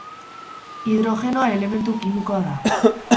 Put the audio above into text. Hidrogenoa elementu kimikoa da.